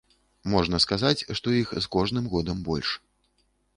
Можна сказаць, што іх з кожным годам больш.